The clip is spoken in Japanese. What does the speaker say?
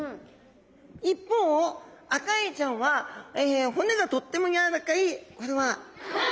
一方アカエイちゃんは骨がとっても軟らかい。